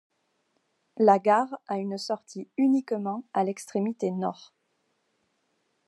La gare a une sortie uniquement à l'extrémité nord.